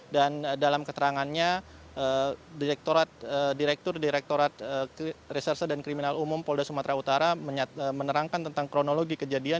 dan dalam keterangannya direktur direktorat reserse dan kriminal umum polda sumatera utara menerangkan tentang kronologi kejadian